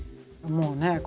もうね